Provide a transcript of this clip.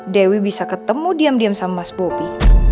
dewi bisa ketemu diam diam sama mas bobi